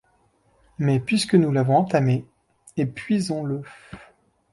Mais puisque nous l’avons entamé, épuisons-le.